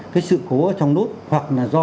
cái sự cố ở trong nút hoặc là do